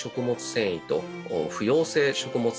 繊維と不溶性食物